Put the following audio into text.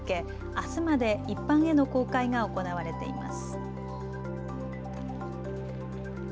あすまで一般への公開が行われています。